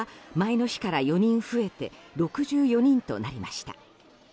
重症の患者は前の日から４人増えて６４人となりました。